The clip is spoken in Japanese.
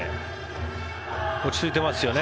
落ち着いてますよね。